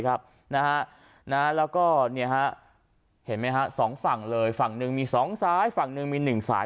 แล้วก็เห็นไหมฮะสองฝั่งเลยฝั่งหนึ่งมี๒ซ้ายฝั่งหนึ่งมี๑สาย